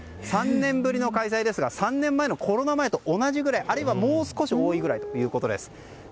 ３年ぶりの開催ですが３年前のコロナ前と同じくらいあるいはもう少し多いぐらいということです。